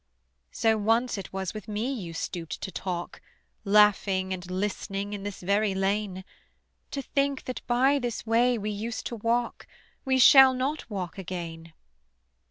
So once it was with me you stooped to talk Laughing and listening in this very lane: To think that by this way we used to walk We shall not walk again!